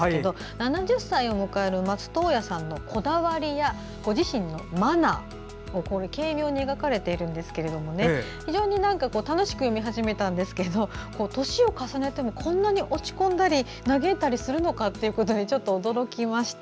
７０歳を迎える松任谷さんのこだわりやご自身のマナーなどが軽妙に描かれているんですけども非常に楽しく読み始めたんですが年を重ねてもこんなに落ち込んだり嘆いたりするのかっていうことにちょっと、驚きました。